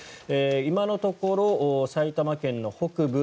今のところ埼玉県の北部